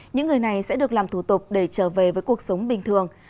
những người này sẽ được làm thủ tục để trở về với cuộc sống bình thường